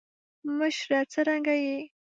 مشره څرنګه یی.